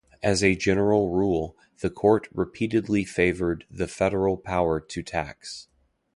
As a general rule, the court repeatedly favored the federal power to tax.